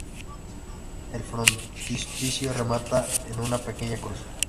El frontispicio remata en una pequeña cruz.